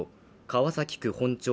川崎区本町